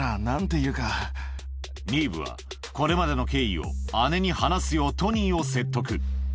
ニーヴは、これまでの経緯を姉に話すようトニーを説得。